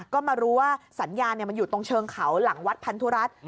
ก็มารู้ว่าสัญญาณมันอยู่ตรงเชิงเขาหลังวัดพันธุรัตน์